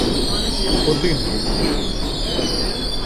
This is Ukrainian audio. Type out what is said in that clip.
Один був я.